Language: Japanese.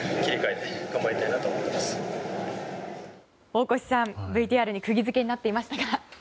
大越さん、ＶＴＲにくぎ付けになっていましたが。